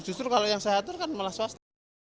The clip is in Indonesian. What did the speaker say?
justru kalau yang saya atur kan malah swasta